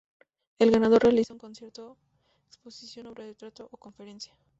El ganador realiza un concierto, exposición, obra de teatro o conferencia.